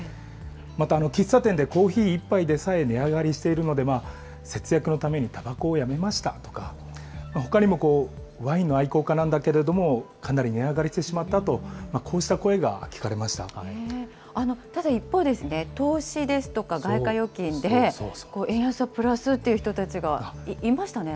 また、喫茶店でコーヒー１杯でさえ値上がりしているので、節約のためにたばこをやめましたとか、ほかにもワインの愛好家なんだけれども、かなり値上がりしてしまったと、こうした声がただ一方で、投資ですとか外貨預金で円安がプラスという人もいましたね。